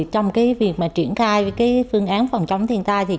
trong việc triển khai phương án phòng chống thiên tai